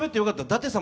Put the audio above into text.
舘様？